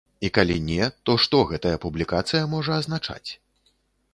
І калі не, то што гэтая публікацыя можа азначаць?